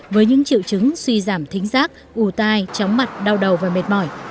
với những triệu chứng suy giảm thính giác ù tai chóng mặt đau đầu và mệt mỏi